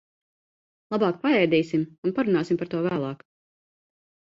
Labāk paēdīsim un parunāsim par to vēlāk.